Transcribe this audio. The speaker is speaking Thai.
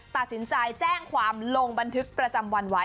ตัดสินใจแจ้งความลงบันทึกประจำวันไว้